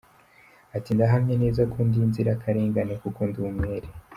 Ati “Ndahamya neza ko ndi inzirakarengane, kuko ndi umwere.